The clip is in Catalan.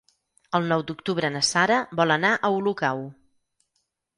El nou d'octubre na Sara vol anar a Olocau.